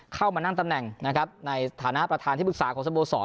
เข้ามานั่งตำแหน่งนะครับในฐานะประธานที่ปรึกษาของสโมสร